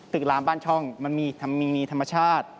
ลามบ้านช่องมันมีธรรมชาติ